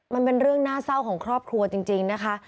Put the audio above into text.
มันเป็นเรื่องน่าเศร้าของครอบครัวจริงนะคะ